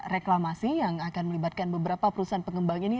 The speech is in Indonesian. reklamasi yang akan melibatkan beberapa perusahaan pengembang ini